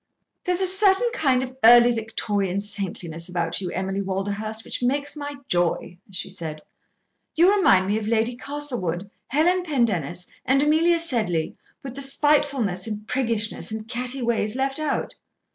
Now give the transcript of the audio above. "There's a certain kind of early Victorian saintliness about you, Emily Walderhurst, which makes my joy," she said. "You remind me of Lady Castlewood, Helen Pendennis, and Amelia Sedley, with the spitefulness and priggishness and catty ways left out.